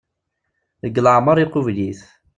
Deg leɛmer iqubel-it.